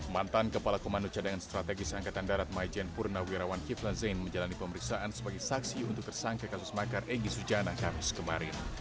mantan kepala komando cadangan strategis angkatan darat maijen purnawirawan kiflan zain menjalani pemeriksaan sebagai saksi untuk tersangka kasus makar egy sujana kamis kemarin